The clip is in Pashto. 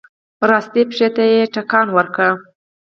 ښی پښې ته يې ټکان ورکړ.